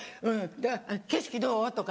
景色どう？とか。